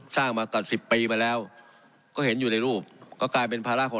สร้างมากับสิบปีมาแล้วก็เห็นอยู่ในรูปก็กลายเป็นภาระของ